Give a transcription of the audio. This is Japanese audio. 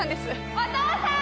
お父さーん！